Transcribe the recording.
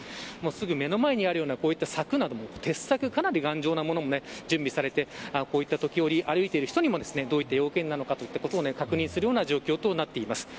すぐ目の前にあるような柵なども鉄柵、かなり頑丈なものも準備されていて時折、歩いている人にどういった要件なのか確認するような状況になっています。